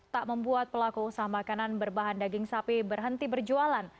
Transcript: tak membuat pelaku usaha makanan berbahan daging sapi berhenti berjualan